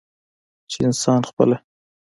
چې انسان خپله